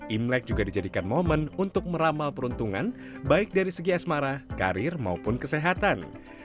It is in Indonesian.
imlek juga dijadikan momen untuk meramal peruntungan baik dari segi asmara karir maupun kesehatan